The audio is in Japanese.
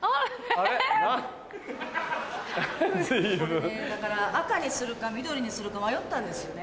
これねだから赤にするか緑にするか迷ったんですよね。